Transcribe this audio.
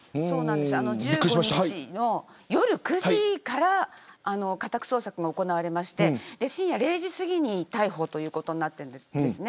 １５日の夜９時から家宅捜索が行われて深夜０時すぎに逮捕ということになっています。